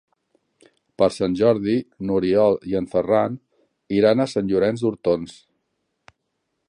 Per Sant Jordi n'Oriol i en Ferran iran a Sant Llorenç d'Hortons.